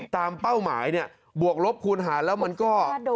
ตามเป้าหมายบวกลบคูณหาแล้วมันก็